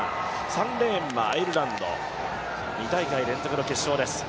３レーンはアイルランド、２大会連続の決勝です。